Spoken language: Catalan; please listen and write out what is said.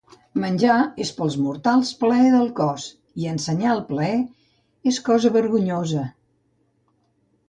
Menjar és, pels mortals, plaer del cos, i ensenyar el plaer és cosa vergonyosa…